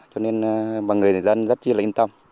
cho nên bằng người dân rất là yên tâm